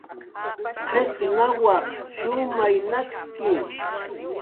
Qit nawaq shumay nakki